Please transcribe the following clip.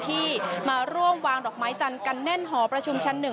ที่มาร่วมวางดอกไม้จันทร์กันแน่นหอประชุมชั้น๑